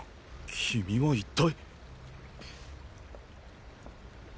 君は一体。